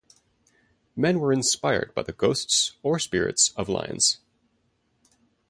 Men were inspired by the ghosts or spirits of lions.